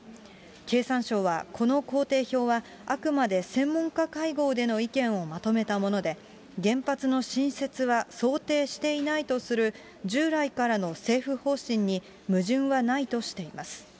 経産省は、この行程表はあくまで専門家会合での意見をまとめたもので、原発の新設は想定していないとする、従来からの政府方針に矛盾はないとしています。